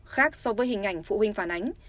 khác so với hình ảnh phụ huynh phản ánh